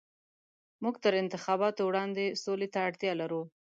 موږ تر انتخاباتو وړاندې سولې ته اړتيا لرو.